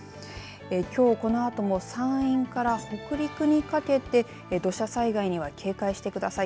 きょうこのあとも山陰から北陸にかけて土砂災害には警戒してください。